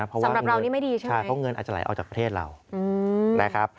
เพราะว่าสำหรับเรานี่ไม่ดีใช่ไหมใช่เพราะเงินอาจจะไหลออกจากประเทศเรานะครับ